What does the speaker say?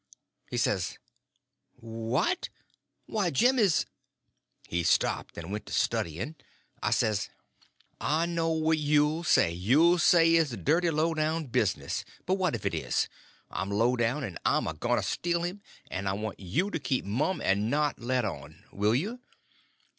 He says: "What! Why, Jim is—" He stopped and went to studying. I says: "I know what you'll say. You'll say it's dirty, low down business; but what if it is? I'm low down; and I'm a going to steal him, and I want you keep mum and not let on. Will you?"